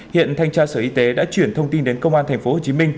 hiện thanh tra sở y tế đã chuyển thông tin đến công an tp hcm